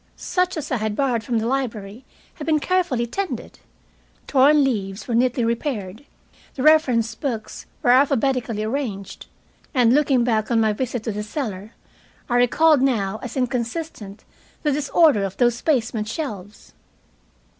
Such as I had borrowed from the library had been carefully tended. Torn leaves were neatly repaired. The reference books were alphabetically arranged. And, looking back on my visit to the cellar, I recalled now as inconsistent the disorder of those basement shelves.